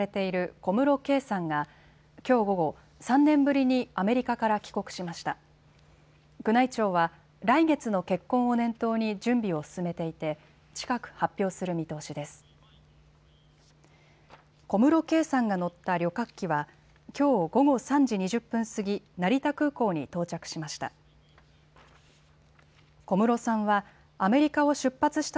小室圭さんが乗った旅客機はきょう午後３時２０分過ぎ、成田空港に到着しました。